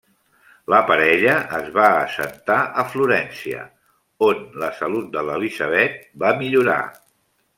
La parella es va assentar a Florència, on la salut de l'Elizabeth va millorar.